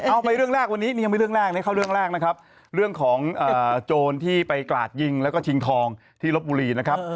เอาไปเรื่องแรกวันนี้เรื่องของโจรที่ไปกราดยิงแล้วก็ชิงทองที่รบบุรีนะครับ